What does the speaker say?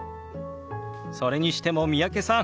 それにしても三宅さん